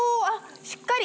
しっかり。